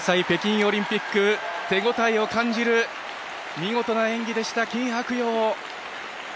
北京オリンピック手応えを感じる見事な演技でした金博洋。